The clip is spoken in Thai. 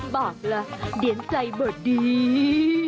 บอกล่ะเดี๋ยวใจบทดี